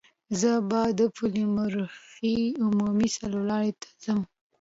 زه به د پلخمري عمومي څلور لارې ته ځم.